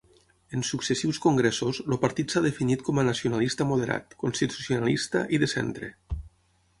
En successius congressos, el Partit s'ha definit com a nacionalista moderat, constitucionalista i de centre.